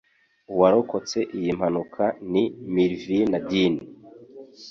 uwarokotse iyi mpanuka ni “Millvina Dean”